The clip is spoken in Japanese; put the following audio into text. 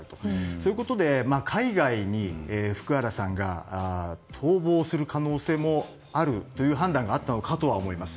そういうことで、海外に福原さんが逃亡する可能性もあるという判断があったのかとは思います。